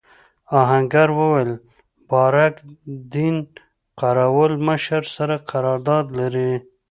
آهنګر وویل بارک دین قراوول مشر سره قرارداد لري.